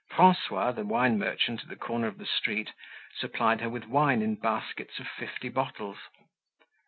Francois, the wine merchant at the corner of the street, supplied her with wine in baskets of fifty bottles.